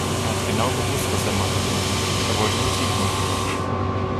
Er hat genau gewusst was er machen wollte. Er wollte Musik machen.